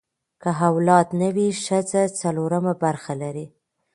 که اولاد نه وي، ښځه څلورمه برخه لري.